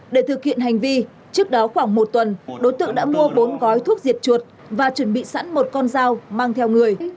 để thực hiện hành vi trước đó khoảng một tuần đối tượng đã mua bốn gói thuốc diệt chuột và chuẩn bị sẵn một con dao mang theo người